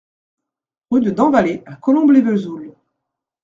Rue de Dampvalley à Colombe-lès-Vesoul